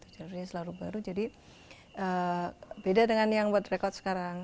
jadi beda dengan yang buat rekod sekarang